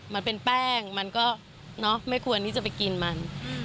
มันเป็นแป้งมันก็เนาะไม่ควรที่จะไปกินมัน